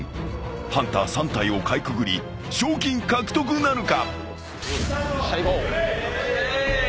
［ハンター３体をかいくぐり賞金獲得なるか？］